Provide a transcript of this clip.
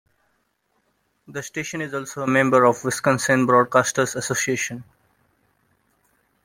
The station is also a member of the Wisconsin Broadcasters Association.